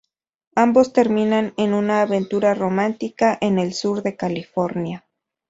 Ambos terminan en una aventura romántica en el sur de California.